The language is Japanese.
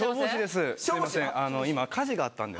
すいません